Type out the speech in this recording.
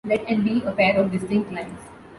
Let and be a pair of distinct lines.